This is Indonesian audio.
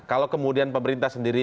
kalau kemudian pemerintah sendiri